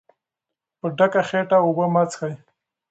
په ډکه خېټه اوبه مه څښئ.